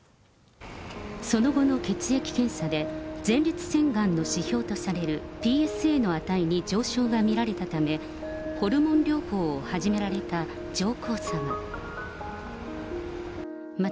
その後の血液検査で、前立腺がんの指標とされるＰＳＡの値に上昇が見られたため、ホルモン療法を始められた上皇さま。